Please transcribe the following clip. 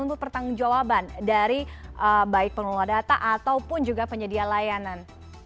untuk pertanggung jawaban dari baik pengelola data ataupun juga penyedia layanan